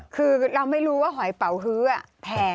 คือเราไม่รู้ว่าหอยเป่าฮื้อแพง